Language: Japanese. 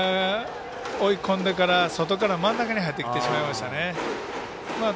追い込んでから外から真ん中に入ってしまいました。